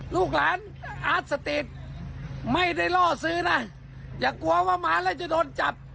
ลูกหลานอาร์ตสติกไม่ได้ล่อซื้อนะอย่ากลัวว่าหมาแล้วจะโดนจับ